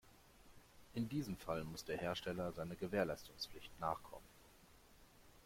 In diesem Fall muss der Hersteller seiner Gewährleistungspflicht nachkommen.